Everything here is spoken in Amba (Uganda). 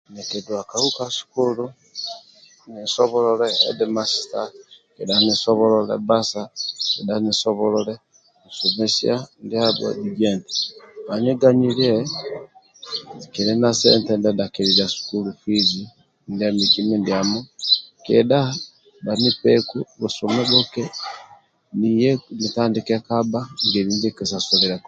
Nikidua kaua sukulu nisobolole edimasita kedha nisobolole basa kedha musomesia ndiabho nigie eti bhaniganilie kili na sente ndia dhakililia sukulu fizi ndia miki mindiamo kedha bhanipeku busumi bhuke niye nikabhe ngeli ndie nkisasuliliaku